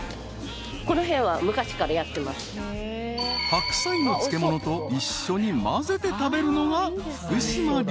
［ハクサイの漬物と一緒に交ぜて食べるのが福島流］